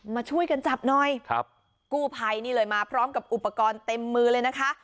มาช่วยกันจับหน่อยครับกู้ภัยนี่เลยมาพร้อมกับอุปกรณ์เต็มมือเลยนะคะ